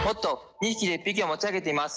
２匹で１匹を持ち上げています！